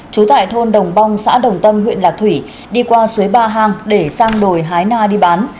trú tại thôn đồng bong xã đồng tâm huyện lạc thủy đi qua suối ba hang để sang đồi hái na đi bán